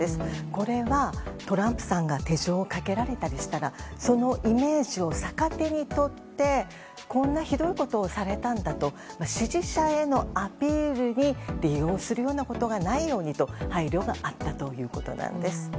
これは、トランプさんが手錠をかけられたりしたらそのイメージを逆手にとってこんなひどいことをされたんだと支持者へのアピールに利用するようなことがないように配慮があったということです。